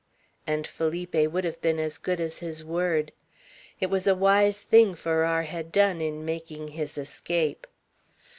and Felipe would have been as good as his word. It was a wise thing Farrar had done in making his escape.